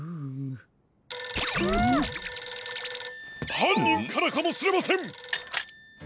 ☎はんにんからかもしれません！